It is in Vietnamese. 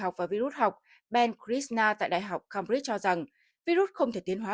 học và virus học ben krishna tại đại học cambridge cho rằng virus không thể tiến hóa